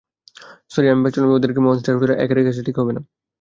Sorry, আমি ভেবেছিলাম ওদেরকে মনস্টার হোটেলে একা রেখে আসা ঠিক হবে না।